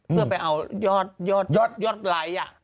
เพื่อไปเอายอดไลค์